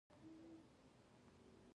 مغولو امپراطوري کمزورې شوه.